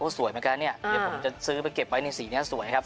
สวยเหมือนกันเนี่ยเดี๋ยวผมจะซื้อไปเก็บไว้ในสีนี้สวยครับ